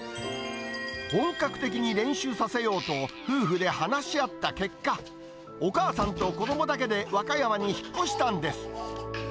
本格的に練習させようと、夫婦で話し合った結果、お母さんと子どもだけで和歌山に引っ越したんです。